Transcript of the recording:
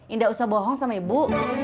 indah usah bohong sama ibu